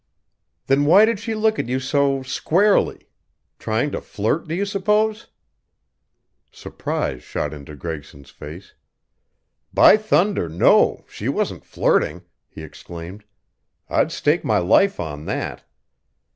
"Then why did she look at you so 'squarely?' Trying to flirt, do you suppose?" Surprise shot into Gregson's face. "By thunder, no, she wasn't flirting!" he exclaimed. "I'd stake my life on that.